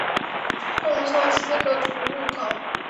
共设四个出入口。